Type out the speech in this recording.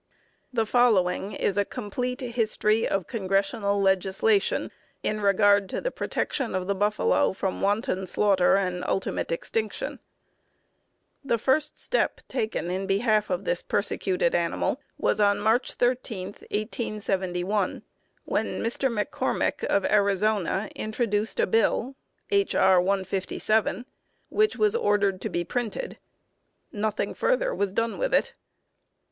The following is a complete history of Congressional legislation in regard to the protection of the buffalo from wanton slaughter and ultimate extinction. The first step taken in behalf of this persecuted animal was on March 13, 1871, when Mr. McCormick, of Arizona, introduced a bill (H. R. 157), which was ordered to be printed. Nothing further was done with it.